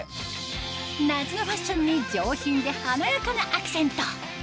夏のファッションに上品で華やかなアクセント